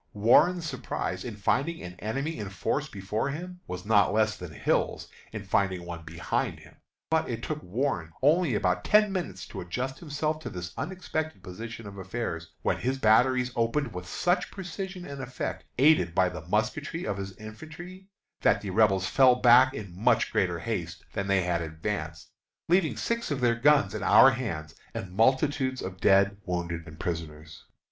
Warren's surprise in finding an enemy in force before him was not less than Hill's in finding one behind him; but it took Warren only about ten minutes to adjust himself to this unexpected position of affairs, when his batteries opened with such precision and effect, aided by the musketry of his infantry, that the Rebels fell back in much greater haste than they had advanced, leaving six of their guns in our hands and multitudes of dead, wounded, and prisoners.